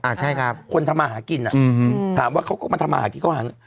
อะใช่ครับคนทำอาหารกินน่ะหาว่าเขาก็มาทำอาหารกินก็หา